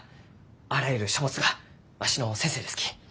あらゆる書物がわしの先生ですき。